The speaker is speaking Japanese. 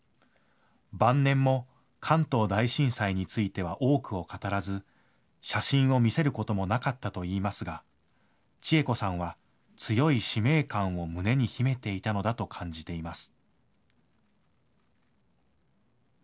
晩年も関東大震災については多くを語らず、写真を見せることもなかったといいますが、千枝子さんは強い使命感を胸に秘めていたのだと感じています。